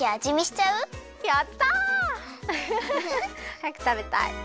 はやくたべたい！